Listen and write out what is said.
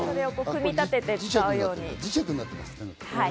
組み立てて使うように。